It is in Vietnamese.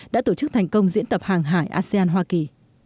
đã tổ chức thành công diễn tập hàng hải asean hoa kỳ